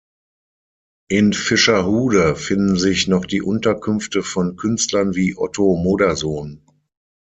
In Fischerhude finden sich noch die Unterkünfte von Künstlern wie Otto Modersohn.